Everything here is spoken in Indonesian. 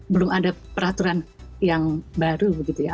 belum ada peraturan yang baru begitu ya